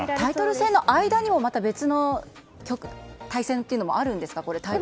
タイトル戦の間にも、また別の対戦というのもあるんですか？